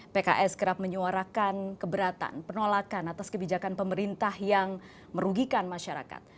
pks kerap menyuarakan keberatan penolakan atas kebijakan pemerintah yang merugikan masyarakat